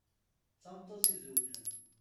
D tameṭṭut izeweǧen.